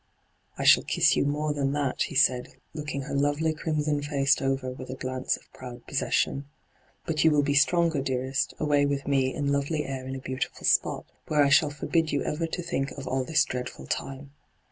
' I shall kiss you more than that,' he said, looking her lovely crimsoned face over with a glance of proud possession. ' But you will be stronger, dearest, away with me in lovely air in a beauti^ spot, where I shall forbid you ever to think of all this dreadful time.